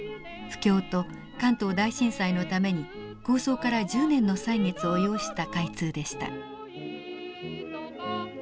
不況と関東大震災のために構想から１０年の歳月を要した開通でした。